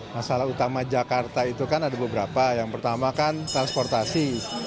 masalah utama jakarta itu kan ada beberapa yang pertama kan transportasi